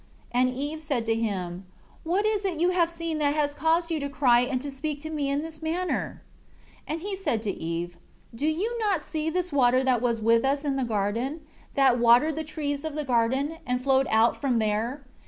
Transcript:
6 And Eve said to him, "What is it you have seen that has caused you to cry and to speak to me in this manner?" 7 And he said to Eve, "Do you not see this water that was with us in the garden, that watered the trees of the garden, and flowed out from there?